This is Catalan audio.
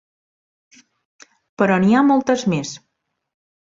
Però n'hi ha moltes més.